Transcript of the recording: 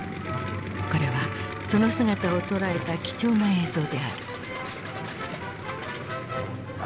これはその姿を捉えた貴重な映像である。